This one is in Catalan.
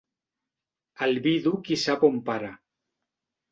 El vidu qui sap on para.